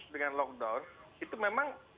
dengan lockdown itu memang